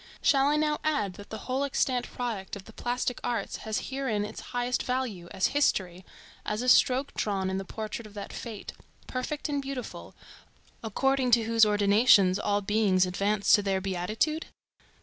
Shall I now add that the whole extant product of the plastic arts has herein its highest value, as history; as a stroke drawn in the portrait of that fate, perfect and beautiful, according to whose ordinations all beings advance to their beatitude?